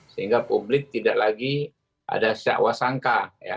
sehingga publik tidak lagi ada syakwa sangka